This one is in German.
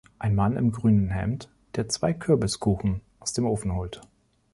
Ein Mann im grünen Hemd, der zwei Kürbiskuchen aus dem Ofen holt.